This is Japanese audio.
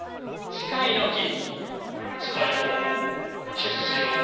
誓いのキスしよう